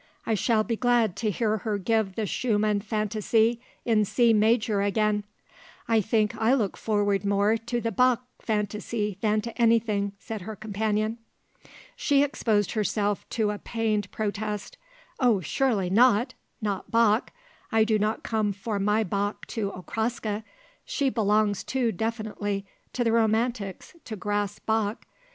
I shall be glad to hear her give the Schumann Fantaisie in C Major again." "I think I look forward more to the Bach Fantaisie than to anything," said her companion. She exposed herself to a pained protest: "Oh surely not; not Bach; I do not come for my Bach to Okraska. She belongs too definitely to the romantics to grasp Bach.